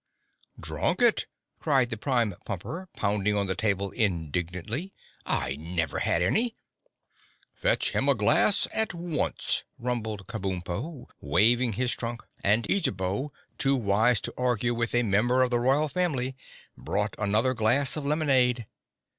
"Drunk it!" cried the Prime Pumper, pounding on the table indignantly. "I never had any!" "Fetch him a glass at once," rumbled Kabumpo, waving his trunk, and Eejabo, too wise to argue with a member of the royal family, brought another glass of lemonade.